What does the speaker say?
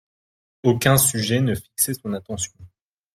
Aucun sujet ne fixait son attention.